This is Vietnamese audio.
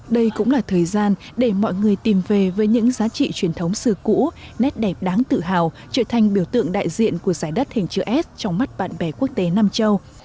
đây cũng là thời gian để mọi người tìm về với những giá trị truyền thống xưa cũ nét đẹp đáng tự hào trở thành biểu tượng đại diện của giải đất hình chữ s trong mắt bạn bè quốc tế nam châu